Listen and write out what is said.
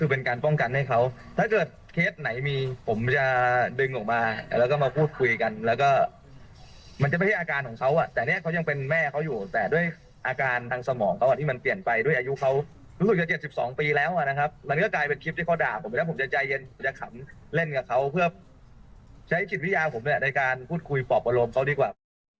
ผมได้การพูดคุยปลอบอารมณ์เขาดีกว่า